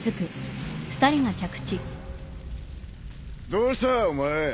どうしたお前。